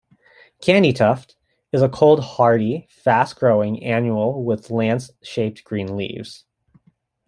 Candytuft is a cold hardy, fast-growing annual with lance shaped green leaves.